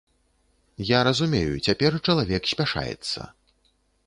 Я разумею, цяпер чалавек спяшаецца.